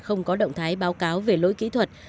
không có động thái báo cáo về lỗi kỹ thuật